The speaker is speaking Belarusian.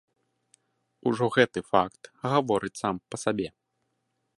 Ужо гэты факт гаворыць сам па сабе.